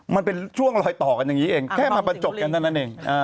มันเป็นช่วงลอยต่อกันอย่างนี้เองแค่มาประจบกันเท่านั้นเอง